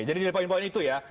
jadi dari poin poin itu ya